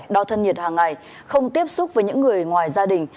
đo thân nhiệt hàng ngày không tiếp xúc với những người ngoài gia đình